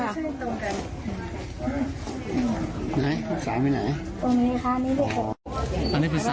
ภายในตรงไหน๓ไปไหนตรงนี้ค่ะอันนี้เป็น๓ครับ